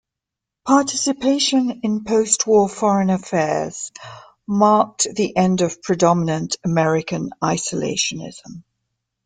Participation in postwar foreign affairs marked the end of predominant American isolationism.